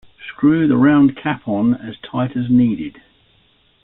Screw the round cap on as tight as needed.